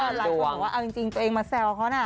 หลายคนบอกว่าเอาจริงตัวเองมาแซวเขานะ